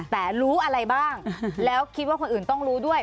แต่รู้อะไรบ้างแล้วคิดว่าคนอื่นต้องรู้ด้วย